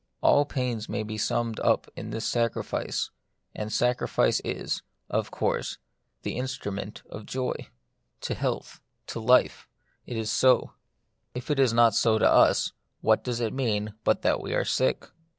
All pains may be summed up in sacrifice ; and sacrifice is — of course it is — the instrument of joy. To health, The Mystery of Pain. 53 to life, it is so. If it is not so to us, what does that mean, but that we are sick